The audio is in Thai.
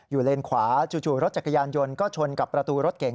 เลนขวาจู่รถจักรยานยนต์ก็ชนกับประตูรถเก่ง